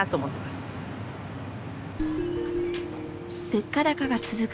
物価高が続く